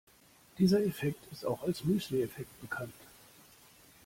Dieser Effekt ist auch als Müsli-Effekt bekannt.